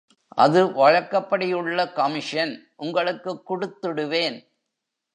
அது வழக்கப்படி உள்ள கமிஷன் உங்களுக்குக் குடுத்திடுவேன்.